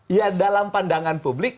ya dalam pandangan publik